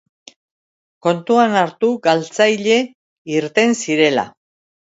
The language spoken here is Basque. Kontuan hartu galtzaile irten zirela.